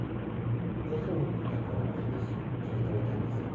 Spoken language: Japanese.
愛媛にいた頃の話を聞いてみたいんです